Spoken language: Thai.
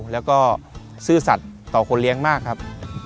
แล้วก็ซื่อสัตว์ต่อคนเลี้ยงมากครับ